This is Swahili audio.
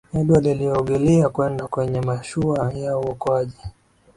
edward aliogelea kwenda kwenye mashua ya uokoaji